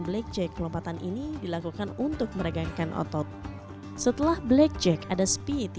blackjack kelompatan ini dilakukan untuk meregangkan otot setelah blackjack ada speed